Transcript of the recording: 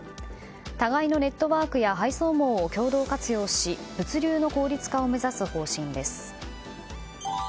互いのネットワークや配送網を共同活用し物流の効率化を目指す方針です。